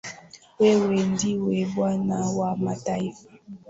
Wewe ndiwe bwana wa mataifa.